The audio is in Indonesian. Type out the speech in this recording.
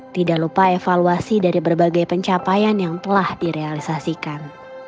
tidak lupa evaluasi dari berbagai pencapaian yang telah direalisasikan